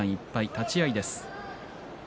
立ち合いです。